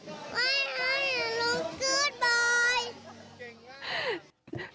ไว้ไฮอาลูกคืน